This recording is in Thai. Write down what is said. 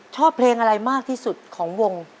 ชอบเพลงอะไรมากที่สุดของวง